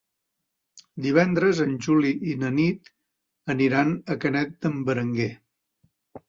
Divendres en Juli i na Nit aniran a Canet d'en Berenguer.